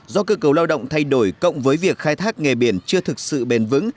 do cơ cấu lao động thay đổi cộng với việc khai thác nghề biển chưa thực sự bền vững